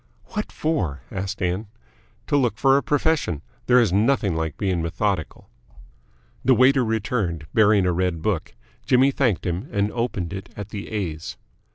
"What for?" asked Ann. "To look for a profession. There is nothing like being methodical." The waiter returned, bearing a red book. Jimmy thanked him and opened it at the A's.